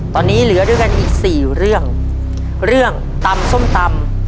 ตอนนี้เหลือด้วยกันอีกสี่เรื่องเรื่องตำส้มตำ